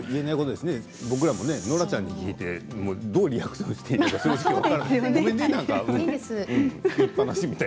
僕らもノラちゃんに聞いてどうリアクションしていいか正直、分からない。